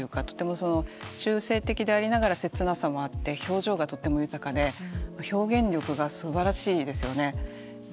とても中性的でありながら切なさもあって表情がとても豊かで表現力が素晴らしいですよね。